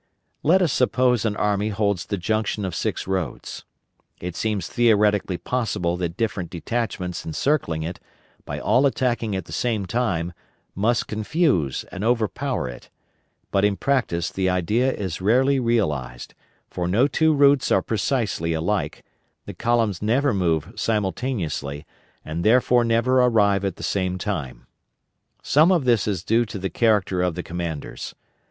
Let us suppose an army holds the junction of six roads. It seems theoretically possible that different detachments encircling it, by all attacking at the same time, must confuse and overpower it; but in practice the idea is rarely realized, for no two routes are precisely alike, the columns never move simultaneously, and therefore never arrive at the same time. Some of this is due to the character of the commanders.